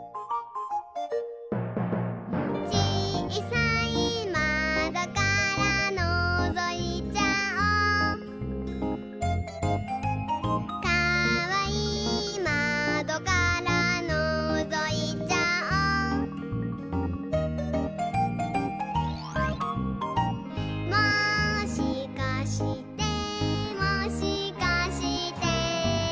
「ちいさいまどからのぞいちゃおう」「かわいいまどからのぞいちゃおう」「もしかしてもしかして」